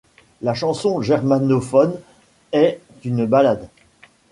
La chanson germanophone est une ballade.